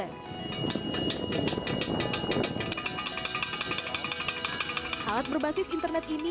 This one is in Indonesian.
alat berbasis internet ini bisa mencari penyelamatkan penyelamatkan penyelamatkan